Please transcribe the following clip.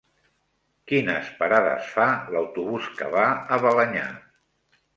Quines parades fa l'autobús que va a Balenyà?